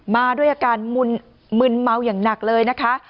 มาด้วยอาการมึนเมาอย่างหนักเลยนะคะ